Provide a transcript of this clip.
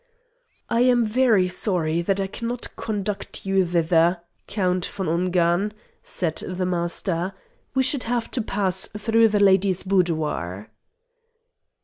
"I am very sorry that I cannot conduct you thither, Count von Ungern," said the Master; "we should have to pass through the lady's boudoir."